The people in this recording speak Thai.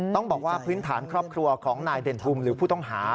ต้องบอกว่าพื้นฐานครอบครัวของนายเด่นทุมหรือผู้ต้องหา